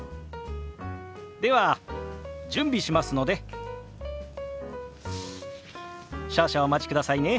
では準備しますので少々お待ちくださいね。